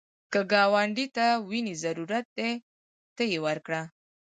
که ګاونډي ته وینې ضرورت دی، ته یې ورکړه